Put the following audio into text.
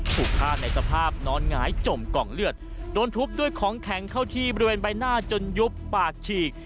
ถูกฆ่าในสภาพนอนหงายจมกองเลือดโดนทุบด้วยของแข็งเข้าที่บริเวณใบหน้าจนยุบปากฉีก